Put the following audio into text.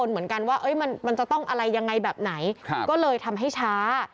เหมือนกันว่ามันจะต้องอะไรยังไงแบบไหนก็เลยทำให้ช้า